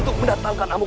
tidak dapat mengobatimu